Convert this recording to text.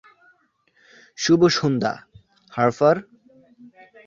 শুভ সন্ধ্যা, হার্পার।